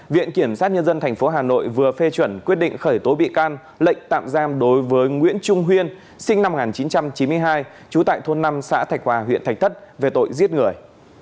viện kiểm sát nhân dân tp hà nội vừa phê chuẩn quyết định khởi tố bị can lệnh tạm giam đối với nguyễn trung huyên sinh năm một nghìn chín trăm chín mươi hai trú tại thôn năm xã thạch hòa huyện thạch thất về tội giết người